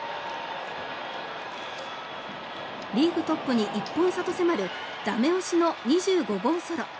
リーグトップに１本差と迫る駄目押しの２５号ソロ。